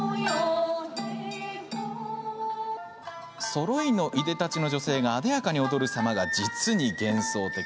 そろいのいでたちの女性があでやかに踊る様が実に幻想的。